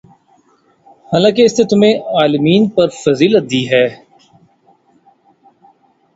حالانکہ اس نے تمہیں عالمین پر فضیلت دی ہے